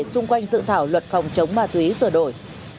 xung quanh sự thảo luật không chống mà thúy sửa đổi